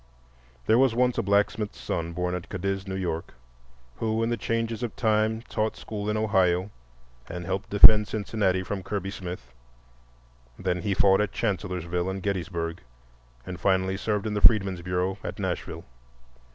There was once a blacksmith's son born at Cadiz, New York, who in the changes of time taught school in Ohio and helped defend Cincinnati from Kirby Smith. Then he fought at Chancellorsville and Gettysburg and finally served in the Freedmen's Bureau at Nashville.